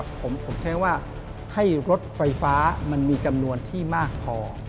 ผมใช้ว่าให้รถไฟฟ้ามันมีจำนวนที่มากพอ